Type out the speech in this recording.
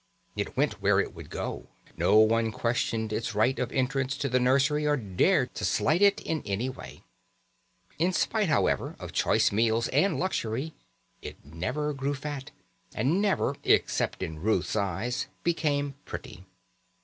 It went where it would, no one questioned its right of entrance to the nursery or dared to slight it in any way. In spite, however, of choice meals and luxury it never grew fat, and never, except in Ruth's eyes, became pretty.